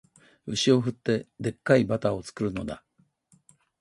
牛を振って、デッカいバターを作るのだ